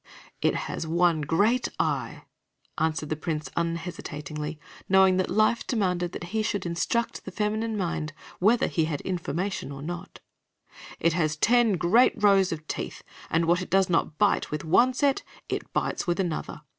"It has one great eye," answered the Prince unhesitatingly, knowing that life demanded that he should instruct the feminine mind whether he had information or not; "it has ten great rows of teeth, and what it does not bite with one set it bites with another.